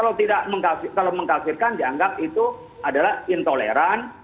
ini banyak orang sekarang kalau mengkafirkan dianggap itu adalah intoleran